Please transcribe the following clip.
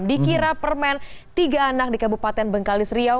dikira permen tiga anak di kabupaten bengkalis riau